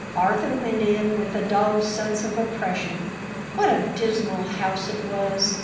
Arthur went in with a dull sense of oppression. What a dismal house it was!